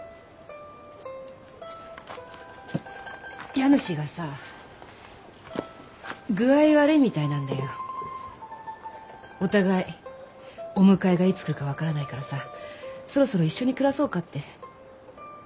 家主がさ具合悪いみたいなんだよ。お互いお迎えがいつ来るか分からないからさそろそろ一緒に暮らそうかって。